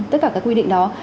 tất cả các quy định đó